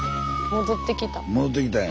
戻ってきたんや。